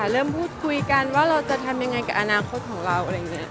เริ่มพูดคุยกันว่าเราจะทำยังไงกับอนาคตของเรา